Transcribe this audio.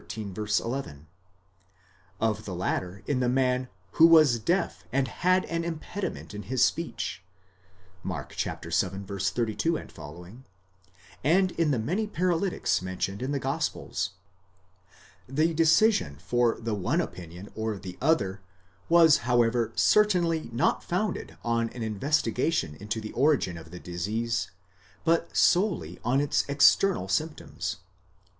11; of the latter, in the man who was deaf and had an impediment in his speech, Mark vii, 32 ff, and in the many paralytics mentioned in the gospels, The decision for the one opinion or the other was however certainly not founded on an investigation into the origin of the disease, but solely on its external symptoms.